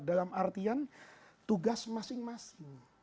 dalam artian tugas masing masing